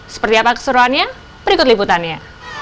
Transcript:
seperti apa keseruannya berikut liputannya